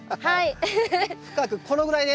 はい。